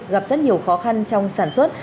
gặp rất nhiều khó khăn trong sản xuất